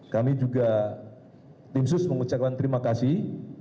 kami juga tim sus mengucapkan terima kasih